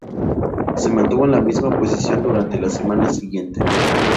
Se mantuvo en la misma posición durante la semana siguiente.